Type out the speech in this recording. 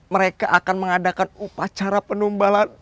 mereka akan mengadakan upacara penumbalan